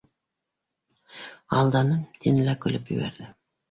Алданым, — тине лә көлөп ебәрҙе.